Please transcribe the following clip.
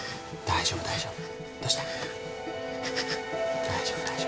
大丈夫大丈夫。